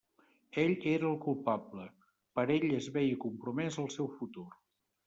Ell era el culpable; per ell es veia compromès el seu futur.